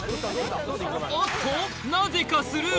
おっとなぜかスルー